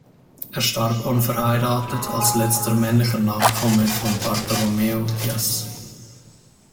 Er starb unverheiratet als letzter männlicher Nachkomme von Bartolomeu Diaz.